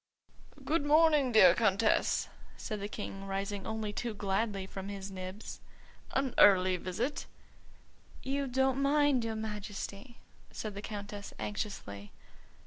"Good morning, dear Countess," said the King, rising only too gladly from his nibs; "an early visit." "You don't mind, your Majesty?" said the Countess anxiously.